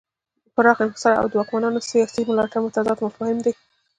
پراخ انحصار او د واکمنانو سیاسي ملاتړ متضاد مفاهیم دي.